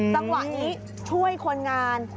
จังหวะนี้ช่วยคนงาน